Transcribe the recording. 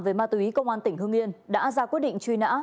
về ma túy công an tỉnh hương yên đã ra quyết định truy nã